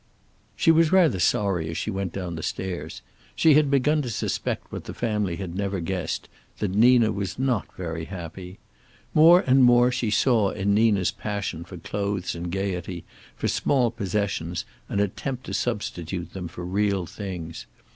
She was rather sorry as she went down the stairs. She had begun to suspect what the family had never guessed, that Nina was not very happy. More and more she saw in Nina's passion for clothes and gaiety, for small possessions, an attempt to substitute them for real things.